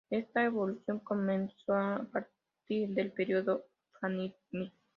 Esta evolución comenzó a partir del período fatimí.